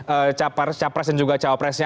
ee capres dan juga cawapresnya